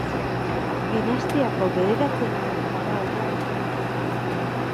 Dinastiako bederatzigarren faraoia izan zen.